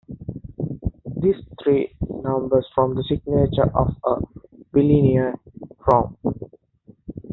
These three numbers form the "signature" of the bilinear form.